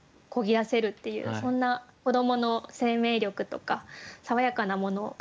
だせるっていうそんな子どもの生命力とか爽やかなものを感じました。